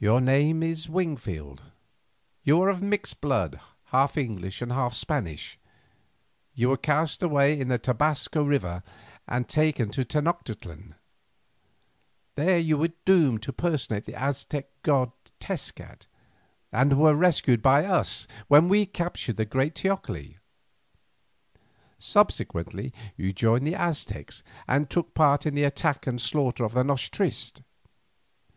"Your name is Wingfield; you are of mixed blood, half English and half Spanish. You were cast away in the Tobasco River and taken to Tenoctitlan. There you were doomed to personate the Aztec god Tezcat, and were rescued by us when we captured the great teocalli. Subsequently you joined the Aztecs and took part in the attack and slaughter of the noche triste.